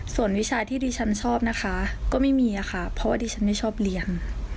ส่วนวิชาที่ดิฉันชอบนะคะก็ไม่มีค่ะเพราะว่าดิฉันไม่ชอบเลี้ยง